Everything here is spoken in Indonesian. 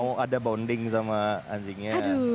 mau ada bonding sama anjingnya